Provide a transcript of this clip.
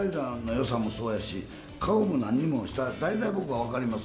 顔も何もして大体、僕は分かります。